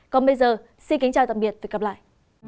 còn bây giờ xin kính chào tạm biệt và hẹn gặp lại